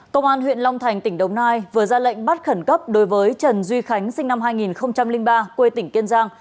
công an huyện long thành tỉnh đồng nai vừa ra lệnh bắt khẩn cấp đối với trần duy khánh sinh năm hai nghìn ba quê tỉnh kiên giang